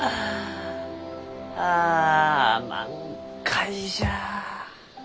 ああ満開じゃ。